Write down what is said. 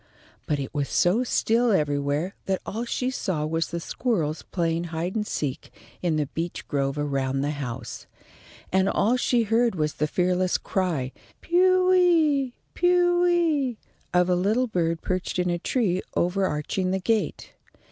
But it was so still everywhere that all she saw was the squirrels playing hide and seek in the beech grove around the house, and all she heard was the fearless cry, "Pewee! pewee!" of a little bird perched in a tree overarching the gate.